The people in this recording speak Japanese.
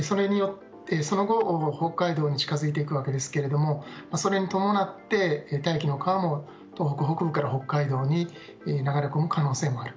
その後北海道に近づいていくわけですがそれに伴って大気の川も東北北部から北海道に流れ込む可能性もある。